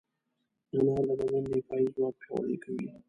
انار د بدن دفاعي ځواک پیاوړی کوي.